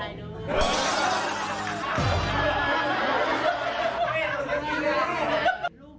ลูกดีหมดนะครับ